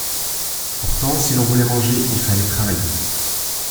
Pourtant, si l’on voulait manger, il fallait travailler.